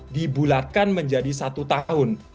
dibulatkan menjadi satu tahun